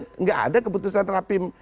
tidak ada keputusan rapim